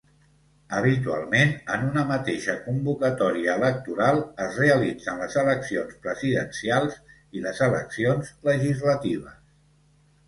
Habitualment en una mateixa convocatòria electoral es realitzen les eleccions presidencials i les eleccions legislatives.